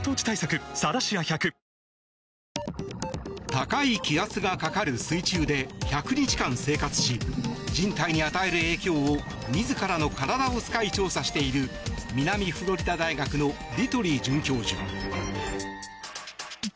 高い気圧がかかる水中で１００日間生活し人体に与える影響を自らの体を使い調査している南フロリダ大学のディトゥリ准教授。